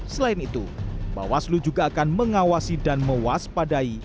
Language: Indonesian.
selain itu bawaslu juga akan mengawasi dan mewaspadai